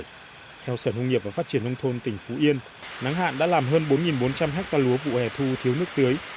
theo sở nông nghiệp và phát triển nông thôn tỉnh phú yên nắng hạn đã làm hơn bốn bốn trăm linh hectare lúa vụ hè thu thiếu nước tưới